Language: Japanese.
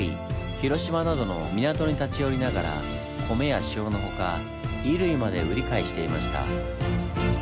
広島などの港に立ち寄りながら米や塩の他衣類まで売り買いしていました。